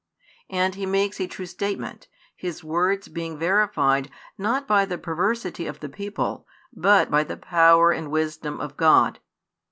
And he makes a true statement, his words being verified not by the perversity of the people, but by the power and wisdom of God.